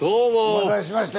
お待たせしまして。